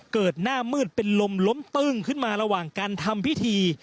เกิดหน้ามืดเป็นลมล้มตึ้งขึ้นมาระหว่างการทำพิธี